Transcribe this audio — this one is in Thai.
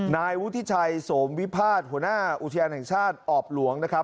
นายวุฒิชัยโสมวิพาทหัวหน้าอุทยานแห่งชาติออบหลวงนะครับ